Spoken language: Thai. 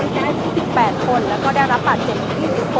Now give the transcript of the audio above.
สวัสดีครับ